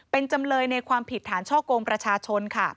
เป็นจำเลยในความผิดฐานช่อกงประชาชนค่ะ